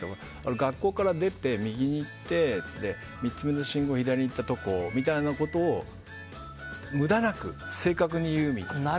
学校から出て右に行って３つ目の信号を左に行ったところみたいなことを無駄なく、正確に言うと。